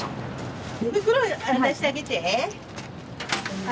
袋渡してあげて。